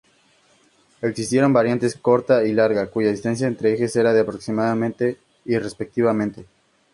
Existieron variantes corta y larga, cuya distancia entre ejes era de aproximadamente y respectivamente.